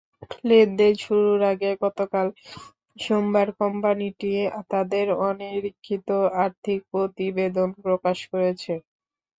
লেনদেন শুরুর আগে গতকাল সোমবার কোম্পানিটি তাদের অনিরীক্ষিত আর্থিক প্রতিবেদন প্রকাশ করেছে।